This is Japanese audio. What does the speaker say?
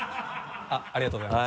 ありがとうございます。